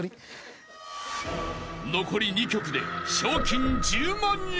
［残り２曲で賞金１０万円］